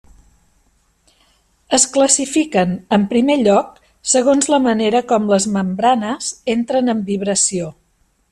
Es classifiquen, en primer lloc, segons la manera com les membranes entren en vibració.